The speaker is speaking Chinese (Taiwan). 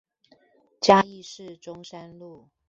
嘉義市中山路